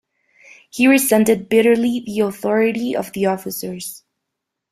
He resented bitterly the authority of the officers.